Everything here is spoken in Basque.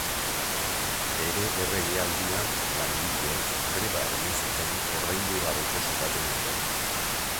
Bere erregealdian, langileek, greba egin zuten ordaindu gabeko soldaten ondorioz.